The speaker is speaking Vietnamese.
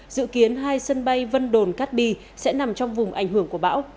dự kiến hai sân bay vân đồn cát bi sẽ nằm trong vùng ảnh hưởng của bão